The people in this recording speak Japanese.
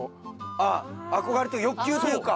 ああ憧れと欲求というか。